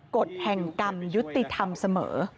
กฎแห่งกรรมยุติธรรมเสมอ